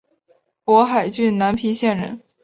勃海郡南皮县人。